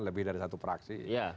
lebih dari satu praksi